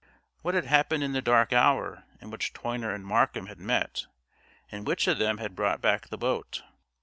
What had happened in the dark hour in which Toyner and Markham had met, and which of them had brought back the boat?